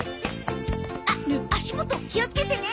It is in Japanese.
あっ足元気をつけてね。